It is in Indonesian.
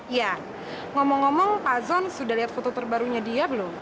iya ngomong ngomong pak zon sudah lihat foto terbarunya dia belum